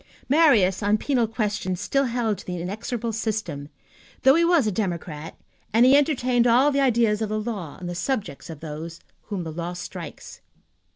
Marius, on penal questions, still held to the inexorable system, though he was a democrat and he entertained all the ideas of the law on the subject of those whom the law strikes.